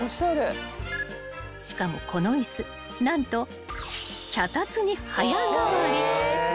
［しかもこの椅子何と脚立に早変わり］